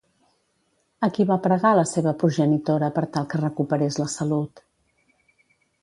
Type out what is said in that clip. A qui va pregar la seva progenitora per tal que recuperés la salut?